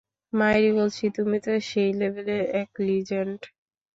মাইরি বলছি, তুমি তো সেই লেভেলের এক লিজেন্ড!